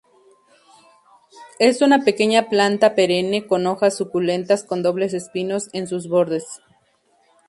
Es una pequeña planta perenne con hojas suculentas con dobles espinos en sus bordes.